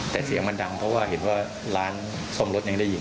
แต่เสียงมันดังเพราะว่าเห็นว่าร้านซ่อมรถยังได้ยิน